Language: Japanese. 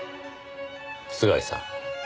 菅井さん